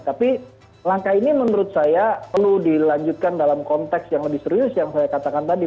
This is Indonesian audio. tapi langkah ini menurut saya perlu dilanjutkan dalam konteks yang lebih serius yang saya katakan tadi